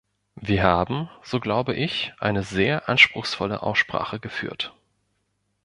Wir haben, so glaube ich, eine sehr anspruchsvolle Aussprache geführt.